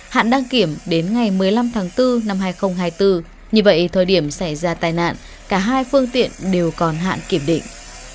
hạn đăng kiểm đến ngày một mươi năm tháng bốn năm hai nghìn hai mươi bốn như vậy thời điểm xảy ra tai nạn cả hai phương tiện đều còn hạn kiểm định